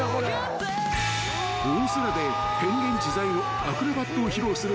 ［大空で変幻自在のアクロバットを披露する］